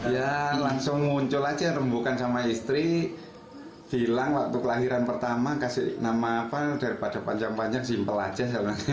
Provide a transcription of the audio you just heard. ya langsung muncul aja rembukan sama istri bilang waktu kelahiran pertama kasih nama apa daripada panjang panjang simple aja